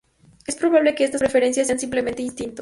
Es probable que estas preferencias sean simplemente instintos.